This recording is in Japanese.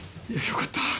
よかったぁ！